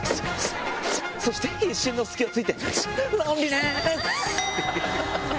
そして一瞬の隙を突いて。